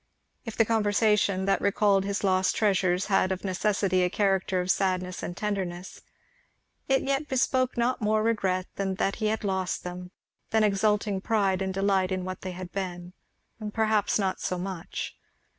If the conversation that recalled his lost treasures had of necessity a character of sadness and tenderness, it yet bespoke not more regret that he had lost them than exulting pride and delight in what they had been, perhaps not so much.